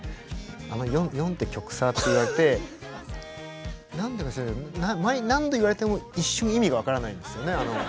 「あの『４』って曲さ」って言われて何でか知らないけど何度言われても一瞬意味が分からないんですよね。